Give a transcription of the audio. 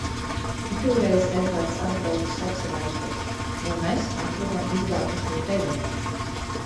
Itūreiz Edvarts atbraucs apsavaicuot, voi mes atrodom izbāgušū teļu...